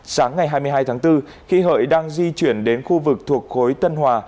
sáng ngày hai mươi hai tháng bốn khi hợi đang di chuyển đến khu vực thuộc khối tân hòa